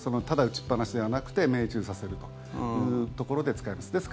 ただ撃ちっぱなしではなくて命中させるというところで使います。